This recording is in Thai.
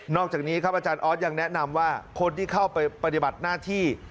อกจากนี้ครับอาจารย์ออสยังแนะนำว่าคนที่เข้าไปปฏิบัติหน้าที่